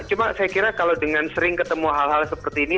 cuma saya kira kalau dengan sering ketemu hal hal seperti ini